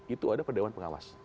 itu ada perdawan pengawas